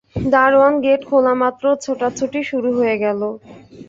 দারোয়ান গেট খোলামাত্র ছোটাছুটি শুরু হয়ে গেল।